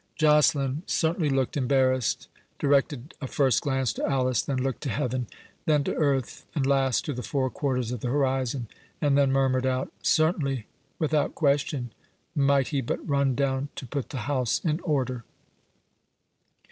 Joceline certainly looked embarrassed, directed a first glance to Alice, then looked to Heaven, then to earth, and last to the four quarters of the horizon, and then murmured out, "Certainly—without question—might he but run down to put the house in order."